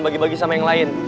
bagi bagi sama yang lain